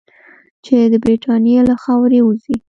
چې د برټانیې له خاورې ووځي.